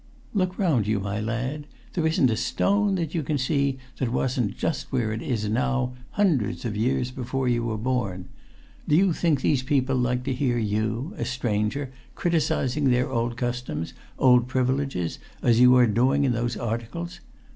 Look round you, my lad; there isn't a stone that you can see that wasn't just where it is now hundreds of years before you were born. Do you think these people like to hear you, a stranger, criticizing their old customs, old privileges, as you are doing in those articles?